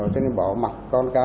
cho nên bỏ mặc con cá